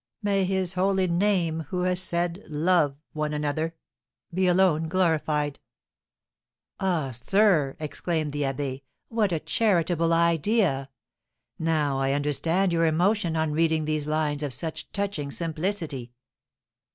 May His Holy Name who has said 'Love one another!' be alone glorified!" "Ah, sir," exclaimed the abbé, "what a charitable idea! Now I understand your emotion on reading these lines of such touching simplicity."